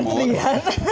kkp loh kementerian